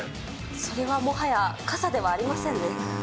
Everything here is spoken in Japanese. それはもはや傘ではありませんね。